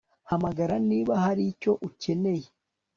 Hamagara niba hari icyo ukeneye